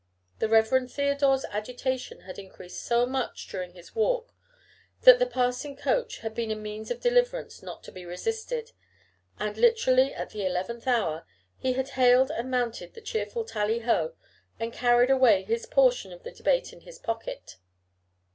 The Reverend Theodore's agitation had increased so much during his walk, that the passing coach had been a means of deliverance not to be resisted; and, literally at the eleventh hour, he had hailed and mounted the cheerful Tally ho! and carried away his portion of the debate in his pocket.